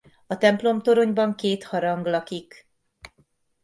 A templomtoronyban két harang lakik.